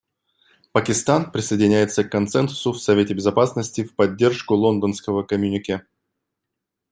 Пакистан присоединяется к консенсусу в Совете Безопасности в поддержку Лондонского коммюнике.